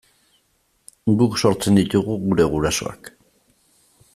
Guk sortzen ditugu gure gurasoak.